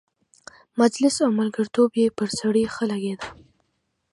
مجلس او ملګرتوب یې پر سړي ښه لګېده.